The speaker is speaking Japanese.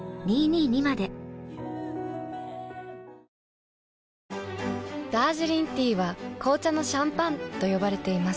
ハハハダージリンティーは紅茶のシャンパンと呼ばれています。